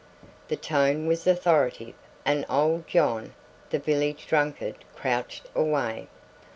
The tone was authoritative and old John, the village drunkard, crouched away.